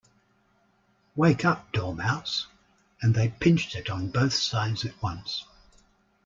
‘Wake up, Dormouse!’ And they pinched it on both sides at once.